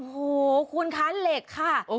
โอ้โหคุณคะเหล็กค่ะ